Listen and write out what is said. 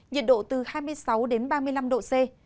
nhiệt độ từ hai mươi sáu đến ba mươi năm độ c